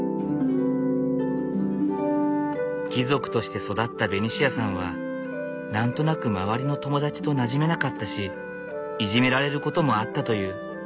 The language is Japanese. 貴族として育ったベニシアさんは何となく周りの友達となじめなかったしいじめられることもあったという。